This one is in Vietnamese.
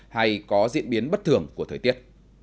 hay có diễn biến bất thường của thời tiết